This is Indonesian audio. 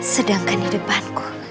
sedangkan di depanku